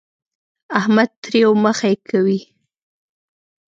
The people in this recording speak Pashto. احمد تريو مخی کوي.